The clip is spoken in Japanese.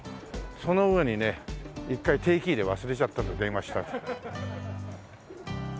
その上にね１回定期入れ忘れちゃったの電話したら。